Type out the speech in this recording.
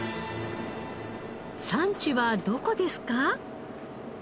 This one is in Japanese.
産地はどこですか？